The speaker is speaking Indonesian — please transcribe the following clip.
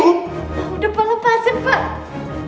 udah pak lepasin pak